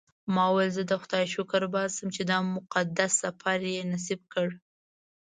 ما وویل زه د خدای شکر باسم چې دا مقدس سفر یې نصیب کړ.